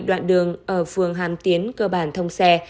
đoạn đường ở phường hàm tiến cơ bản thông xe